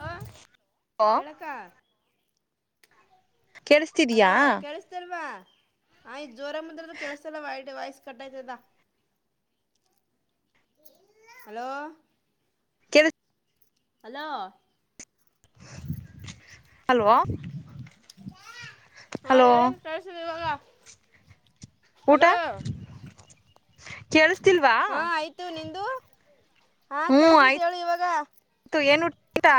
Hello hello ಎಳಕ್ಕಾ ಕೇಳಿಸ್ತಿದಯಾ hello ಕೇಳಿಸತಿಲ್ವಾ ಆಯ್ ಜೋರ ಮುಂದ ಕೆಲ್ಸ ಎಲ್ಲ ವಾಯ್ಸ ಕಟ್ಟೈತದ ಹಲೋ ಕೆಳು ಹಲೋ ಹಲೋ ಹಾ ಹೇಳಕ್ ಕಳ್ಸಿದ ಇವಾಗ ಹಲೋ ಕೆೇಳ ಹಾ ಆಯ್ತು ನಿಂದು ಹಾ ಹೇಳಿ ಇವಾಗ ಆಯ್ತಾ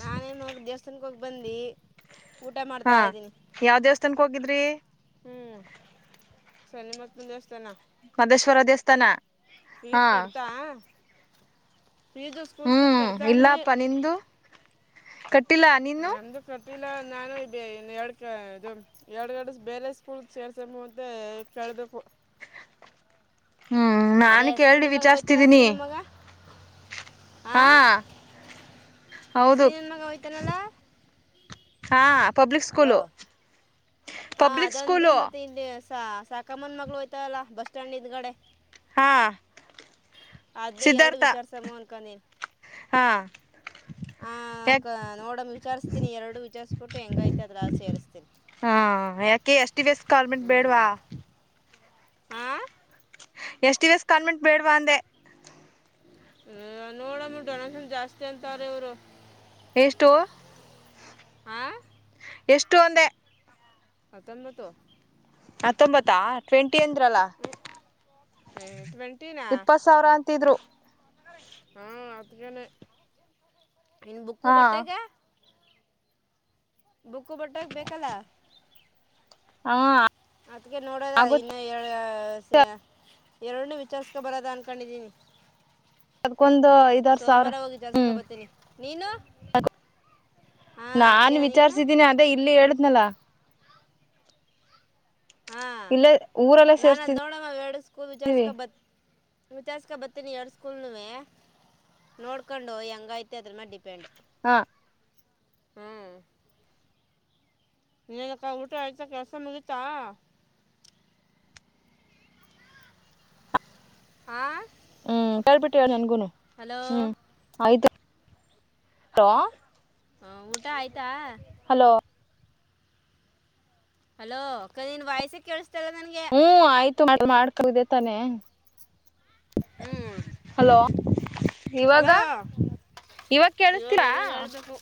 ನಾನೇನು ದೇವಸ್ಥಾನಕ್ಕೆ ಹೋಗ ಸಿಬ್ಬಂದಿ ಊಟ ಮಾಡ್ತಾ ಇದ್ದೀನಿ ತನ್ಕ ಹೋಗಿದ್ರಿ ಹ್ಮ್ ಶನಿಮಹಾತ್ಮ ದೇವಸ್ಥಾನ ಮದೇಶ್ವರ ದೇವಸ್ಥಾನ ಹಾ ಪ್ಲೀಸ್ ಕಡ್ದಾ ಫಿಜು ಸ್ಕೂಲ್ ಫೀಸು ಕಟ್ದ ಅಂದೆ ಕಟ್ಟ ಬಿಟ್ಟಿಲ್ಲ ನೀನು ಟ್ಟಿಲ್ಲ ನಾನು ಎರಡು ಕ ಇದು ಎರಡುಗಡೆ ಬೇರೆ ಸ್ಕೂಲ್ ಸೇರ್ಸಮ್ಮ ಅಂತ ಕೇಳಬೇಕು [unintelligible] ಹ್ಮ್ ಅದೇ ನಾನು ಕೇಳಿ ಸೀನಿ ಮಗ ವಿಚಾರ್ಸ್ತಿದೀನಿ ಹಾ ಹೌದು ಸಿನೀ ಮಗ ವೈತನಲ್ಲ ಹಾ ಪಬ್ಲಿಕ್ ಸ್ಕೂಲು ಪಬ್ಲಿಕ್ ಸ್ಕೂಲು ಸ ಸಾಕಮ್ನಾ ಮಗಳು ಹೋಯ್ತಲ್ಲ ಬಸ್ ಸ್ಟ್ಯಾಂಡ್ ಇದ್ಗಡೆ ಹಾ ಅದು ಎರಡು ಸಿದ್ಧಾರ್ಥ ವಿಚಾರಿಸಮ್ಮ ಅನ್ಕೊಂಡೀನಿ ಹಾ ಆ ಯಾಕ ನೋಡಮ ವಿಚಾರಸ್ತೀನಿ ಎರಡು ವಿಚಾರಸ್ಬಿಟ್ಟು ಹೆಂಗೈತಿ ಅದ್ರ ಸೇಸ್ತೀನಿ ಹಾ ಯಾಕೆ S T V S convent ಬೇಡ್ವಾ ಹಾ ಎಷ್ಟು ದಿವಸ್ ಕಾನ್ವೆೆಂಟ್ ಬೇಡ್ವಾ ಅಂದೆ ಹ ನೋಡಮ್ಮ ಡೊನೇಶನ್ ಜಾಸ್ತಿ ಅಂತಾರ ಇವ್ರು ಎಷ್ಟು ಹಾಂ ಎಷ್ಟು ಒಂದೇ ಹತ್ತೊಂಬತ್ತು ತತ್ತೊಂಬತ್ತ ಟ್ವೆಂಟಿ ಅಂದ್ರಲ್ಲ ಹ್ಞೂ ಟ್ವೆಂಟಿನಾ ಇಪ್ಪತ್ ಸಾವಿರ ಅಂತಿದ್ರು [unintelligible] ಇನ್ ಬುಕ್ಕು ಹಾ ಬಟ್ಟೆಗೆ ಬುಕ್ಕು ಬಟ್ಟಕ್ಕೆ ಬೇಕಲ್ಲ ಹ ಅದ್ಕೆ ನೋಡೋದ ಇನ್ನ ಏ ಎರಡನ ವಿಚಾರ್ಸ್ಕೊ ಬರದ ಅನ್ಕೊಂಡಿದೀನಿ ಅದಕೊಂದು ಐದಾರ ಸಾವಿರ ವಿಚಾರಿಸ್ಕೊ ಹ್ಮ್ ಬರ್ತೀನಿ ನೀನು ಹಾಂ ನಾನ ಅದಕ್ಕೇನ ನೀನು ವಿಚಾರ್ಸಿದ್ದೀನಿ ಅದೇ ಇಲ್ಲಿ ಹೇಳ್ದ್ನಲ ಹಾ ಇಲ್ಲೇ ಊರಲ್ಲೇ ನಾನದ ಸೇರ್ಸ್ತಿದೀವಿ ನೋಡಮ್ಮ ಎರಡೂ ಸ್ಕೂಲ್ ವಿಚಾರ್ಸ್ಕ ಬತ್ ವಿಚರಿಸಿಕೊಂಡ್ ಬರ್ತೀನಿ ಎರಡ್ ಸ್ಕೂಲ್ವೆ ನೋಡ್ಕೊಂಡು ಹೆಂಗತೆ ಅದ್ರ ಮೇ ಡಿಪೆಂಡ್ ಹ ಹ್ಮ್ ನೀನ್ಕ್ಕ ಊಟ ಆಯ್ತಾ ಕೆಲಸ ಮುಗತಾ ಆ ಹ್ಮ್ ಹೇಳ್ಬಿಟ್ಟುಹೇಳು ನನ್ಗುನು ಹ್ಮ್ ಆಯ್ತು ಹಲೋ ಹ ಊಟ ಆಯ್ತಾ ಹಲೋ ಕ ನಿನ್ ವಾಯ್ಸ ಕೇಳಸ ಕೇಳಿಸ್ತಾ ಇಲ್ಲ ನನಗೆ ಮಾಡ್ಕುದೆ ತಾನೆ ಹ್ಞೂ ಹಲೋ ಇವಾಗ ಹಲೋ ಇವಾಗ ಕೇಳಿಸ್ತಿಲ್ಲ ಇವಾಗೆಲ್ಲ ಹೇಳ್ಬೇಕು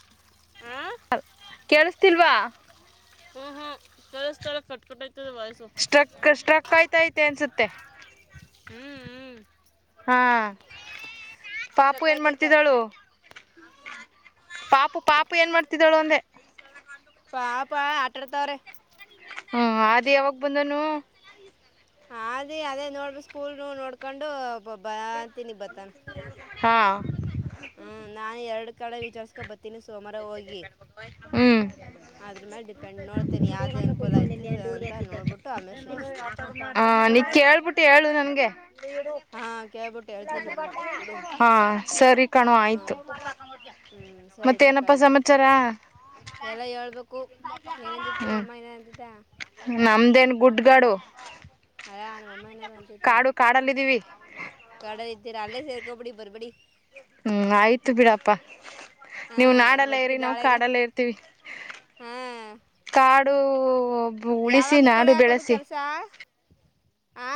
ಹಾಂ ತಿಲ್ವಾ ಹ್ಮ್ ಹ್ಮ್ ಕೇಳಿಸ್ತಾ ಇಲ್ಲ ಕಟ್ ಕಟ್ ಆಯ್ತದೆ ವಾಯ್ಸು ಸ್ಟ್ರಕ್ ಸ್ಟ್ರಕ್ ಆಯ್ತಾ ಐತೆ ಅನ್ಸುತ್ತ ತ್ತೆ ಹ್ಮ್ ಹ್ಮ್ ಹಾಂ ಪಾಪು ಏನ್ ಸಾಕಾಯ್ತೈತ ಮಾಡ್ತಿದ್ದಾಳು ಪಾಪು ಪಾಪು ಏನ್ ಮಾಡ್ತಿದ್ದಾಳು ಒಂದೆ ಪಾಪಾ ಆಟಡ್ತವ್ರ ಹ್ಮ್ ಅದು ಯಾವಾಗ ಬಂದನು ಅದ ಅದೇ ನೋಡ್ರಿ ಸ್ಕೂಲ್ ನೋಡ್ಕೊಂಡು ಬಾ ಅಂತಿನಿ ಬತನ ಹಾ ಹ್ಮ್ ನಾನ ಎರಡು ಕಡೆ ವಿಚಾರ್ಸ್ಕೊಂಡ್ ಬತ್ತೀನಿ ಸೋಮವಾರ ಹೋಗಿ ಹ್ಮ್ ಅದ್ರ್ ಮೇಲ್ ಡಿಪೆಂಡ್ ನೋಡ್ತೀನಿ ಯಾವ್ದು ಅನುಕೂಲ ಆಯ್ತು [unintelligible] [unintelligible] ಹಾ ನಿ ಕೇಳ್ಬಿಟ್ಟು ಹೇಳು ನನ್ಗೆ. ಹಾ ಕೇಳ್ಬಿಟ್ಟು ಹೇಳ್ತೀನಿ ಬಿಡು ಹಾ ಸರಿ ಕಣೋ ಹಾ ಆಯ್ತು ಹ್ಮ್ ಸರಿ ಮತ್ತೆ ಕಕ ಏನಪ್ಪಾ ಆಯ್ತು ಸಮಾಚಾರ ಎಲ್ಲ ಹೇಳ್ಬೇಕು ಏನಂತಿತ್ತು ಹ್ಮ್ ನಿಮ್ಮಮ್ಮ ಏನಾ ಅಂತಿತ್ತ ನಮ್ದೇನ್ ಗುಡ್ಗಾಡು ಅಲ್ಲ ನಮ್ಮಮ್ಮ ಏನಾರು ಅಂತಿದ್ದ ಕಾಡು ಕಾಡಲ್ಲಿದ್ದೀವಿ. ಸರಿ ಅಲ್ಲೇ ಸೇರ್ಕೊಬಿಡಿ ಬರ್ಬೇಡಿ. ಹ್ಮ್ ಆಯ್ತು ಬಿಡಪ್ಪಾ. ನೀವು ಹಾಂ ನಾಡಲ್ಲೇ ಒಟ್ಟಿಗೆ ಇರಿ ನಾವು ನಾಳೆಗೆ ಕಾಡಲ್ಲೇ ಇರ್ತೀವಿ ಕಾಡು ಒಹ್ ಯಾವಾಗ್ ಈ ಕಡೆ ಹಾಕೋದು ಕೆಲ್ಸ? ಹಾ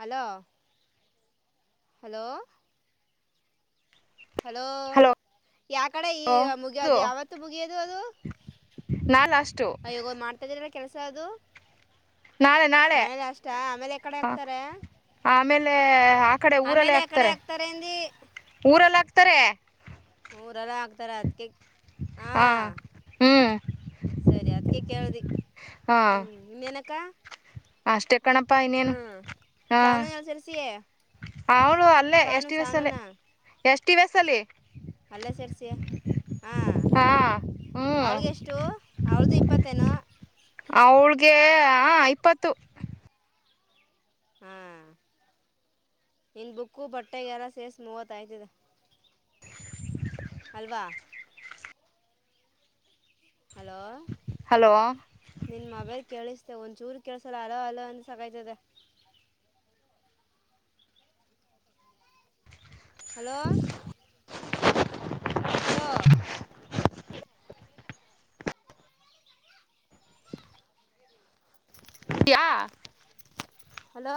ಹಲೋ ಹಲೋ ಹಲೋ ಯಾ ಕಡೆ ಈ ಮುಗಿಯೋದು ಯಾವತ್ತು ಮುಗಿಯೋದು ಅದು ನಾ ಲಾಸ್ಟ್ [unintelligible] ಕೆಲ್ಸ ಅದು ನಾಳೆ ನಾಳೆ ಲಾಸ್ಟಾ ಆಮೇಲೆ ಆ ಕಡೆ ಹಾಕ್ತಾರೆ ಆಮೇಲೆ ಆ ಕಡೆ ಊರಲ್ಲೇ ಆಮೇಲೆ ಆ ಕಡೆ ಹಾಕ್ತಾರೆ ಅಂದು ಊರಲ್ಲಾಕ್ತಾರೆ ಮೂರಲೆ ಹಾಕ್ತಾರೆ ಅದ್ಕೆ ಹಾ ಹ್ಮ್ ಸರಿ ಅದ್ಕೆ ಕೇಳ್ದಿ ಹಾ ಹ್ಮ್ ಇನ್ನೇನಕ್ಕ ಅಷ್ಟೇ ಕಣಪ್ಪಾ ಇನ್ನೇನು ಹ್ಞೂ ಹ್ಮ್ಮ್ ಸಾನು ಎಲ್ಲಿ ಸೇರಿಸಿ ಅವಳು ಅಲ್ಲೇ ಎಸ್ ಸಾನು ಟಿ ಓಸ್ ಅಲ್ಲೇ ಸಾನುನಾ ಎಸ್ ಟಿ ವಿ ಎಸ್ ಅಲ್ಲಿ ಅಲ್ಲೇ ಸೇರ್ಸಿಯಾ? ಹಾ ಹಾ ಹ್ಮ್ ಅವ್ಳ್ಗೆಷ್ಟು ಅವಳ್ದು ಇಪ್ಪತ್ತೇನೋ? ಅವ್ಳ್ಗೆ ಹಾ ಇಪ್ಪತ್ತು. ಹಾ ನಿನ್ ಬುಕ್ಕು ಬಟ್ಟೆಗೆಲ್ಲ ಸೇರ್ಸ್ ಮೂವತ್ತ್ ಆಯ್ತದೆ. [inaudible] ಅಲ್ವಾ? ಹಲೋ, ಹಲೋ ನಿನ್ ಮೊಬೈಲ್ ಕೇಳಿಸ್ ಥೂ! ಒಂಚೂರು ಕೇಳ್ಸಲ್ಲ ಹಲೋ ಹಲೋ ಅಂದ್ ಸಾಕಾಯ್ತದೆ. ಹಲೋ ಹಲೋ ಯಾ ಹಲೋ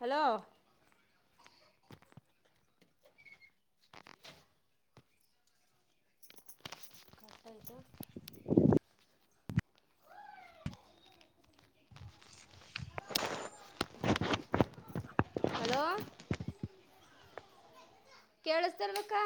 ಹಲೋ ಕಟ್ಟ್ ಆಯ್ತು ಹಲೋ ಕೇಳಸ್ತ ಇಲ್ಲವಕ್ಕ